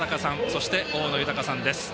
そして、大野豊さんです。